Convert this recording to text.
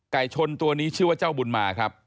ชนตัวนี้ชื่อว่าเจ้าบุญมาครับ